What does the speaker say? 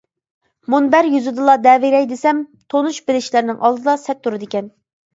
مۇنبەر يۈزىدىلا دەۋېرەي دېسەم، تونۇش بىلىشلەرنىڭ ئالدىدا سەت تۇرىدىكەن.